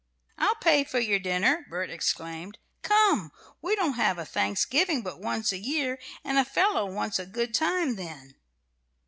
"I'll pay for your dinner!" Bert exclaimed. "Come! We don't have a Thanksgiving but once a year, and a feller wants a good time then."